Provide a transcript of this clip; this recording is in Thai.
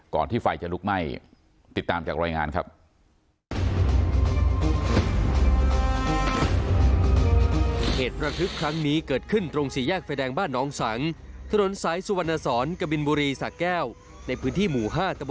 ที่ไฟจะลุกไหม้ติดตามจากรายงานครับ